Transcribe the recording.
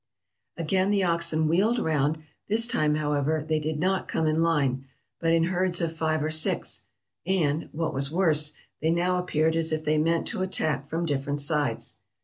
"Again the oxen wheeled round; this time, however, they did not come in line, but in herds of five or six, and, what was worse, they now appeared as if they meant to attack from different sides.